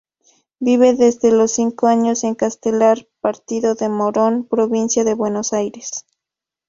Vive desde los cinco años en Castelar, Partido de Morón, Provincia de Buenos Aires.